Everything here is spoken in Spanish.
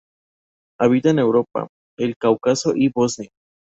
Habita en Europa, el Cáucaso y Bosnia.